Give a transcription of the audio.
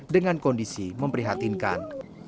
dengan kondisi memprihatinkan